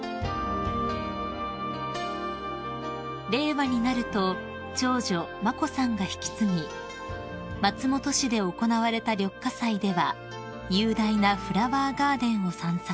［令和になると長女眞子さんが引き継ぎ松本市で行われた緑化祭では雄大なフラワーガーデンを散策］